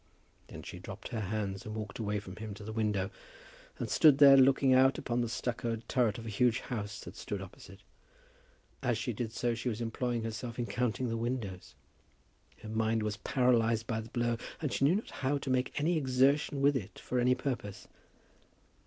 Then she dropped his hands and walked away from him to the window, and stood there looking out upon the stuccoed turret of a huge house that stood opposite. As she did so she was employing herself in counting the windows. Her mind was paralysed by the blow, and she knew not how to make any exertion with it for any purpose.